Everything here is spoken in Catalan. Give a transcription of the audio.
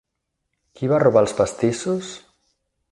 Qui va robar els pastissos?